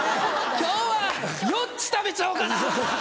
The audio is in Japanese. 今日は４つ食べちゃおうかな！